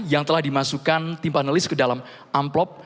yang telah dimasukkan tim panelis ke dalam amplop